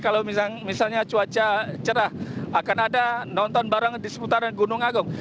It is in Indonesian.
kalau misalnya cuaca cerah akan ada nonton bareng di seputaran gunung agung